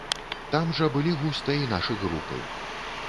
Там жа былі густа і нашы групы.